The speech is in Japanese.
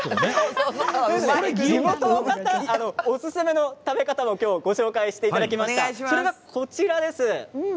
おすすめの食べ方をご紹介していただきました。